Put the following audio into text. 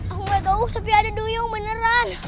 aku gak tau sepi ada duyung beneran